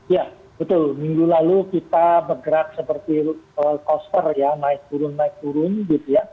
ya betul minggu lalu kita bergerak seperti coaster ya naik turun naik turun gitu ya